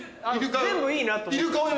全部いいなと思ったよ。